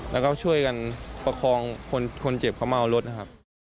แล้วก็ช่วยกันประคองคนเจ็บเขามาเอารถนะครับ